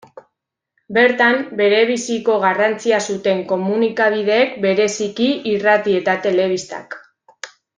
Bertan, berebiziko garrantzia zuten komunikabideek, bereziki, irrati eta telebistak.